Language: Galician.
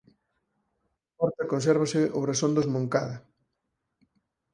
Na porta consérvase o brasón dos Moncada.